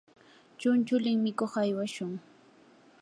chunchulin mikuq aywashun.